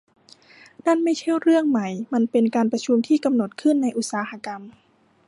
นั่นไม่ใช่เรื่องใหม่มันเป็นการประชุมที่กำหนดขึ้นในอุตสาหกรรม